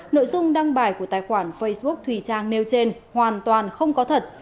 nội dung đăng bài của tài khoản facebook thùy trang nêu trên hoàn toàn không có thật